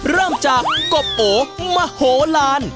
เริ่มจากกบโอมโหลาน